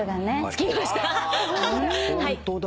ホントだ。